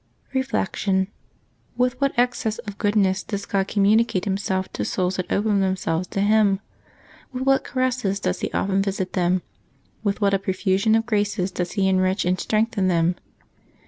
Reflection. — ^With what excess of goodness does God communicate Himself to souls that open themselves to Him! With what caresses does He often visit them! With what a profusion of graces does He enrich and strengthen them!